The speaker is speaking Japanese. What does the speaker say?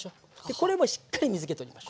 これもしっかり水け取りましょう。